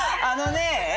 あのね。